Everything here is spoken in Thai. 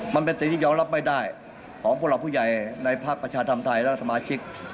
มันเป็นสิ่งที่ยอมรับไม่ได้ของผู้หลักผู้ใหญ่ในภาคประชาธรรมไทยและสมาชิก